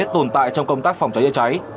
tồn tại trong công tác phòng cháy chữa cháy